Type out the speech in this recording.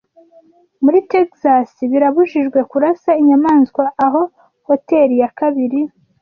Muri Texas birabujijwe kurasa inyamanswa aho Hotel ya kabiri